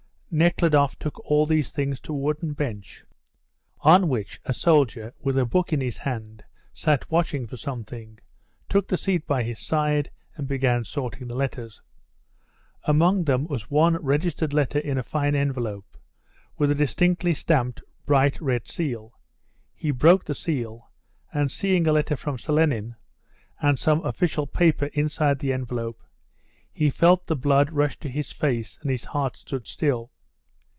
Nekhludoff took all these things to a wooden bench, on which a soldier with a book in his hand sat waiting for something, took the seat by his side, and began sorting the letters. Among them was one registered letter in a fine envelope, with a distinctly stamped bright red seal. He broke the seal, and seeing a letter from Selenin and some official paper inside the envelope, he felt the blood rush to his face, and his heart stood still.